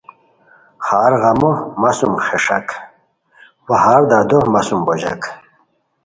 ہرغمو مہ سُم خیݰاک وا ہر دردو مہ سُم بوژاک